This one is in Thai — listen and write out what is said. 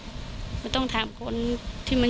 จน๘โมงเช้าวันนี้ตำรวจโทรมาแจ้งว่าพบเป็นศพเสียชีวิตแล้ว